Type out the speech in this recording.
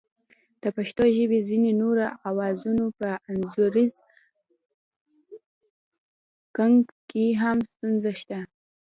د پښتو ژبې ځینو نورو آوازونو په انځوریز کښنګ کې هم ستونزه شته